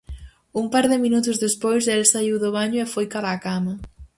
Un par de minutos despois el saíu do baño e foi cara á cama.